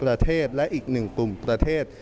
๒๖ประเทศและอีก๑ปุ่มประเทศ